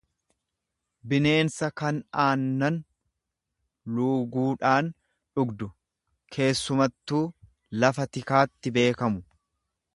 bineensa kan aannan luuguudhaan dhugdu, keessumattuu lafa tikaatti beekamu.